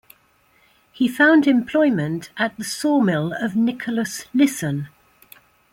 He found employment at the sawmill of Nicholas Lisson.